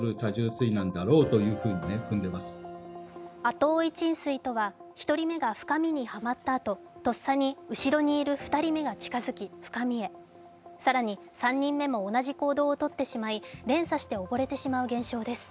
後追い沈水とは１人目が深みにはまったあと、とっさに後ろにいる２人目が近づき深みへ、更に３人目も同じ行動をとってしまい連鎖して溺れてしまう現象です。